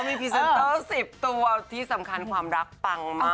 มีพรีเซนเตอร์๑๐ตัวที่สำคัญความรักปังมาก